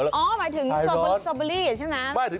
อ๋อหมายถึงสตรอเบอร์รี่ใช่ไหม